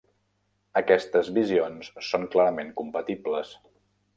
Aquestes visions són clarament compatibles.